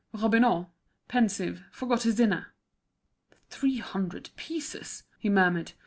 Robineau, pensive, forgot his dinner. "Three hundred pieces!" he murmured.